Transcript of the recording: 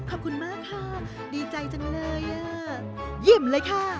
ขอบคุณมากค่ะดีใจจังเลยอ่ะยิ้มเลยค่ะ